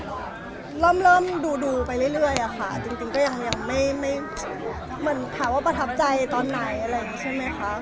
จริงเริ่มดูไปเรื่อยค่ะจริงไม่แถวว่าประทับใจตอนไหน